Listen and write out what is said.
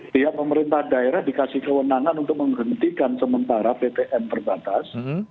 pihak pemerintah daerah dikasih kewenangan untuk menghentikan sementara ptm terbatas